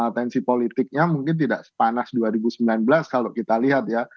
tensi politiknya mungkin tidak sepanas dua ribu sembilan belas kalau kita lihat ya